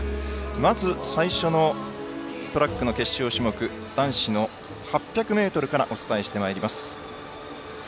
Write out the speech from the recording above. まず最初のトラックの決勝種目男子の８００ｍからお伝えしてまいります。